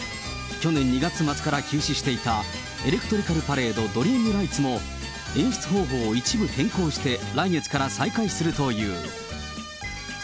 去年２月末から休止していたエレクトリカルパレード・ドリームライツも、演出方法を一部変更して、来月から再開するという。